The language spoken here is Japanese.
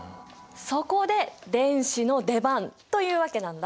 そこで電子の出番というわけなんだ。